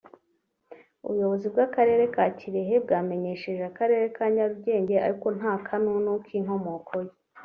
ubuyobozi bw’Akarere ka Kirehe bwamenyesheje Akarere ka Nyarugenge ariko nta kanunu k’inkomoko ye